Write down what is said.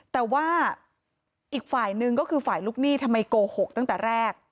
แต่ว่าอีกฝ่ายหนึ่งก็คือฝ่ายลูกหนี้ทำไมโกหกตั้งแต่แรก